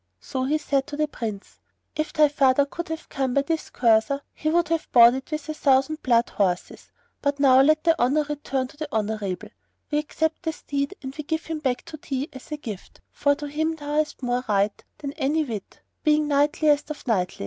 So he said to the Prince, "If thy father could have come by this courser, he would have bought it with a thousand blood horses: but now let the honour return to the honourable. We accept the steed and we give him back to thee as a gift, for to him thou hast more right than any wight, being knightliest of knights."